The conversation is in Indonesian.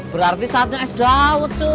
berarti saatnya es daud